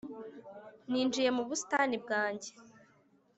Ninjiye mu busitani bwanjye,